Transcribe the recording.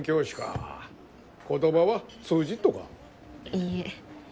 いいえ。